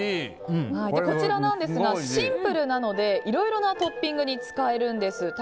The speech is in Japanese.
こちらなんですがシンプルなのでいろいろなトッピングに使えるんです。